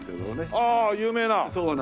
ああ有名な。